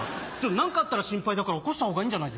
何かあったら心配だから起こした方がいいんじゃ。